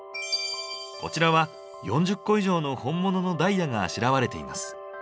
こちらは４０個以上の本物のダイヤがあしらわれています。